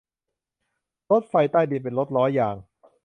รถไฟใต้ดินเป็นรถล้อยาง